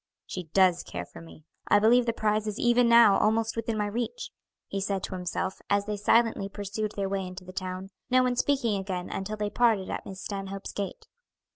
"She does care for me; I believe the prize is even now almost within my reach," he said to himself, as they silently pursued their way into the town, no one speaking again until they parted at Miss Stanhope's gate.